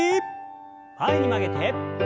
前に曲げて。